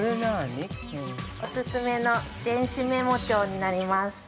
◆お勧めの電子メモ帳になります。